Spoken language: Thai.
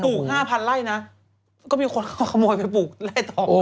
ปลูก๕๐๐๐ไล่นะก็มีคนเขาขโมยไปปลูกไล่ทองเลย